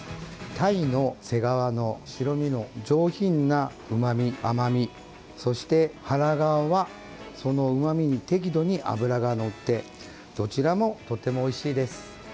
タイの背側の白身の上品なうまみ、甘みそして腹側はそのうまみに適度に脂がのってどちらもとてもおいしいです。